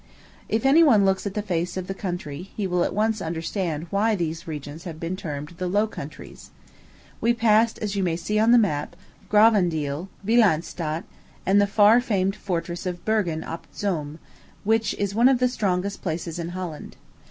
If any one looks at the face of the country, he will at once understand why these regions have been termed the Low Countries. We passed, as you may see on the map, Gravendeel, Willeinstadt, and the far famed fortress of Bergen op Zoom, which is one of the strongest places in Holland.